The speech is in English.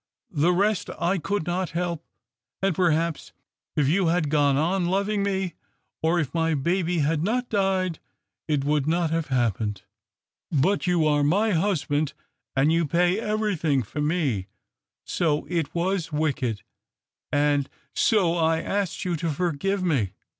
The rest I could not help ; and, perhaps, if you had gone on loving me, or if my baby had not died, it would not have happened. But you are my husband, and you pay for 254 THE OCTAVE OF CLAUDIUS. everything for me, so it was wicked ; and so I asked you to forgive me.